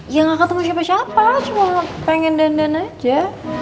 ya gak ketemu siapa siapa cuma pengen dandan aja